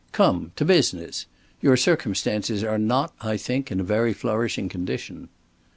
"Come, to business! Your circumstances are not, I think, in a very flourishing condition."